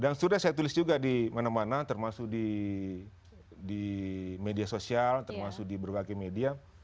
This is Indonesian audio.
dan sudah saya tulis juga di mana mana termasuk di media sosial termasuk di berbagai media